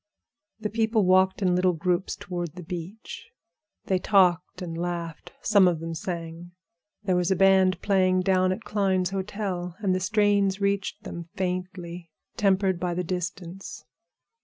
The people walked in little groups toward the beach. They talked and laughed; some of them sang. There was a band playing down at Klein's hotel, and the strains reached them faintly, tempered by the distance.